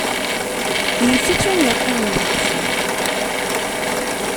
Yif-it win yeqqimen deg uxxam.